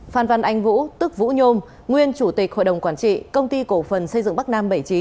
phan văn anh vũ tức vũ nhôm nguyên chủ tịch hội đồng quản trị công ty cổ phần xây dựng bắc nam bảy mươi chín